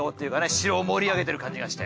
城を盛り上げてる感じがして。